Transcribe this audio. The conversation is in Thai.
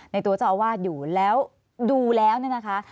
ตัวเจ้าอาวาสอยู่แล้วดูแล้วเนี่ยนะคะ